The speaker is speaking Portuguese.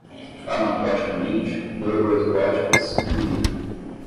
farmacologicamente, neuroetológicas, in vitro